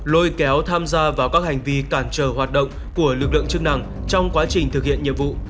lôi kéo tham gia vào các hành vi cản trở hoạt động của lực lượng chức năng trong quá trình thực hiện nhiệm vụ